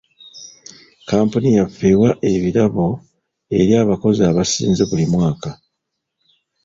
Kampuni yaffe ewa ebirabo eri abakozi abasinze buli mwaka.